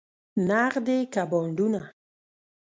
نغدې که بانډونه؟